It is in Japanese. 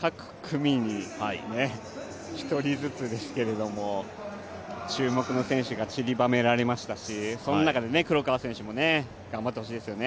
各組に、１人ずつですけれども注目の選手がちりばめられましたしその中で黒川選手も頑張ってほしいですよね。